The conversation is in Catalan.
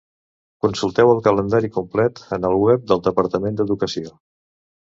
Consulteu el calendari complet en el web del Departament d'Educació.